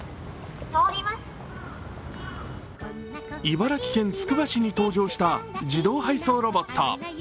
茨城県つくば市に登場した自動配送ロボット。